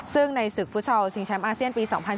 ซึ่งในศึกฟุตซอลชิงแชมป์อาเซียนปี๒๐๑